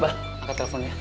bah angkat teleponnya